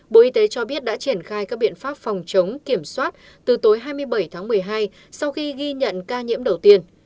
bộ y tế cho biết đã triển khai các biện pháp phòng chống kiểm soát từ tối hai mươi bảy tháng một mươi hai sau khi ghi nhận ca nhiễm đầu tiên